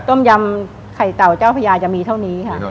ต้มยำไข่เต่าเจ้าพญาจะมีเท่านี้ค่ะ